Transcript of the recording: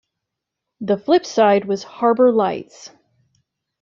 The flip side was "Harbor Lights".